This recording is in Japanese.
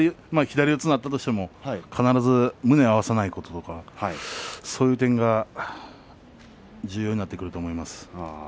左四つになっても必ず胸を合わさないこととかそういうところが重要になってくると思います。